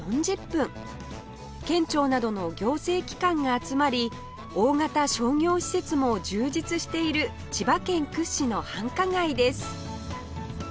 県庁などの行政機関が集まり大型商業施設も充実している千葉県屈指の繁華街です